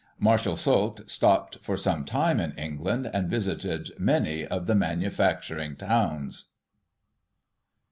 Marshal Soult stopped for some time in England, and visited many of the manufacturing towns.